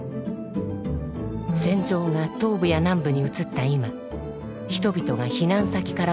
戦場が東部や南部に移った今人々が避難先から戻っている。